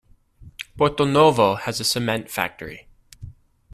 Porto-Novo has a cement factory.